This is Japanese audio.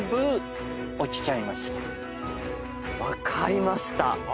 分かりました。